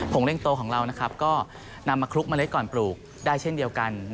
งเร่งโตของเราก็นำมาคลุกเมล็ดก่อนปลูกได้เช่นเดียวกัน